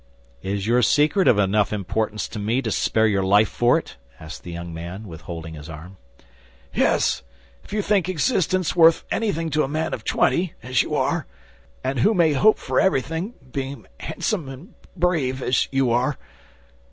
"Is your secret of enough importance to me to spare your life for it?" asked the young man, withholding his arm. "Yes; if you think existence worth anything to a man of twenty, as you are, and who may hope for everything, being handsome and brave, as you are."